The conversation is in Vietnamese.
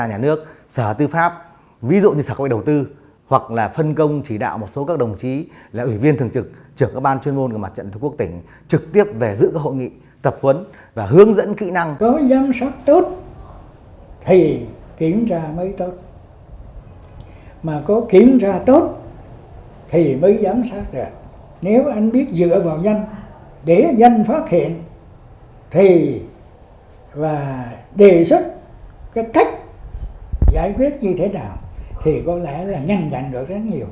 nếu anh biết dựa vào nhân để nhân phát hiện thì và đề xuất cái cách giải quyết như thế nào thì có lẽ là nhanh nhận được rất nhiều